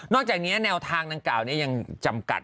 จากนี้แนวทางดังกล่าวนี้ยังจำกัด